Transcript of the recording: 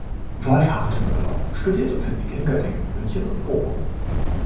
Wolfhard Möller studierte Physik in Göttingen, München und Bochum.